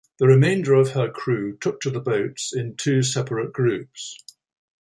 The remainder of her crew took to the boats in two separate groups.